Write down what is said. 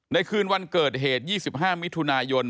คืนวันเกิดเหตุ๒๕มิถุนายน